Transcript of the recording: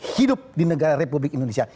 hidup di negara republik indonesia